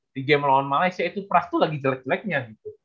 di game melawan malaysia itu pras itu lagi jelek jeleknya gitu